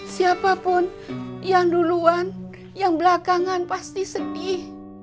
siapapun yang duluan yang belakangan pasti sedih